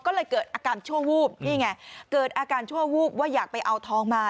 ก็เลยเกิดอาการชั่ววูบนี่ไงเกิดอาการชั่ววูบว่าอยากไปเอาทองมา